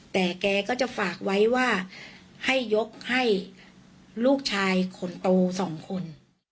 แต่แกก็จะฝากไว้ว่าให้ยกให้ลูกชายคนโตสองคน